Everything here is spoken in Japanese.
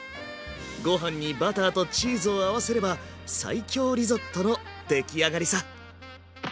ご飯にバターとチーズを合わせれば最強リゾットの出来上がりさ